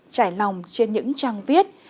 trải lòng trên những trang viết